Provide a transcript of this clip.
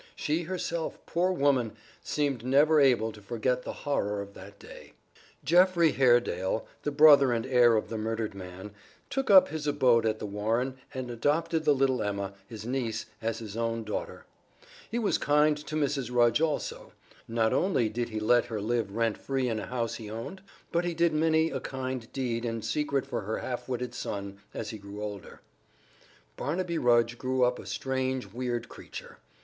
She herself, poor woman! seemed never able to forget the horror of that day. Geoffrey Haredale, the brother and heir of the murdered man, took up his abode at The Warren and adopted the little Emma, his niece, as his own daughter. He was kind to Mrs. Rudge also. Not only did he let her live rent free in a house he owned, but he did many a kind deed secretly for her half witted son as he grew older. Barnaby Rudge grew up a strange, weird creature.